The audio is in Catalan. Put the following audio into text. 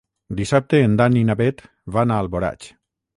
Dissabte en Dan i na Bet van a Alboraig.